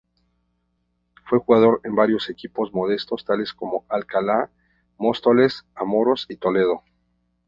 Fue jugador en varios equipos modestos, tales como Alcalá, Móstoles, Amorós y Toledo.